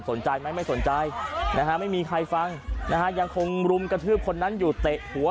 สนใจไหมไม่สนใจนะฮะไม่มีใครฟังนะฮะยังคงรุมกระทืบคนนั้นอยู่เตะหัว